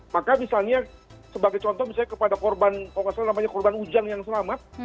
maka misalnya sebagai contoh misalnya kepada korban kalau nggak salah namanya korban ujang yang selamat